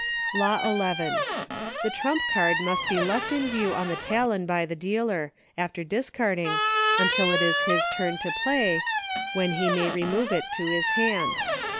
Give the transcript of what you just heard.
94 EUCHRE. Law XI. The trump card must be left in view on the talon by the dealer, after discarding, until it is his turn to play, when he may remove it to his hand.